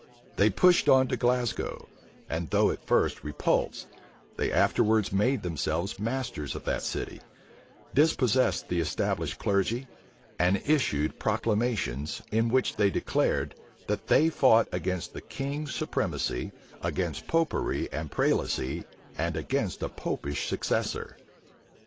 They pushed on to Glasgow; and though at first repulsed, they afterwards made themselves masters of that city; dispossessed the established clergy; and issued proclamations, in which they declared, that they fought against the king's supremacy, against Popery and prelacy and against a Popish successor.